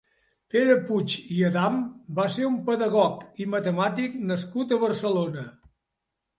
Pere Puig i Adam va ser un pedagog i matemàtic nascut a Barcelona.